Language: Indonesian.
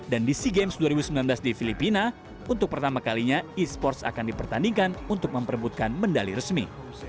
dan di sea games dua ribu sembilan belas di filipina untuk pertama kalinya e sports akan dipertandingkan untuk memperebutkan mendali resmi